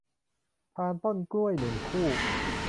พานต้นกล้วย หนึ่ง คู่